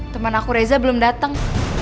temen aku reza belum dateng